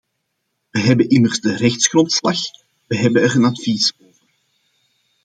We hebben immers de rechtsgrondslag - we hebben er een advies over.